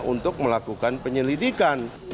untuk melakukan penyelidikan